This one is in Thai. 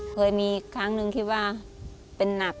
เคยมีครั้งหนึ่งที่ว่าเป็นหนัก